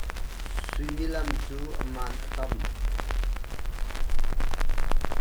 Suimilam cu a man a tam.